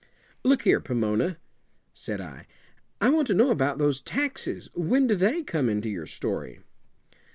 "Look here, Pomona," said I, "I want to know about those taxes. When do they come into your story?"